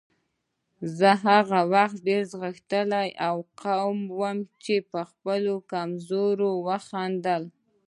زه هغه وخت ډېر غښتلی او قوي وم چې پر خپلې کمزورۍ وخندل.